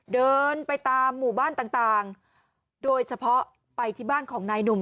เดินไปตามหมู่บ้านต่างโดยเฉพาะไปที่บ้านของนายหนุ่ม